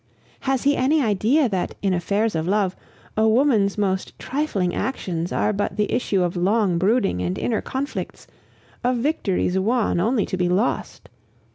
Has he any idea that, in affairs of love, a woman's most trifling actions are but the issue of long brooding and inner conflicts, of victories won only to be lost!